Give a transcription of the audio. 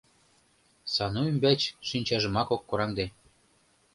— Сану ӱмбач шинчажымак ок кораҥде.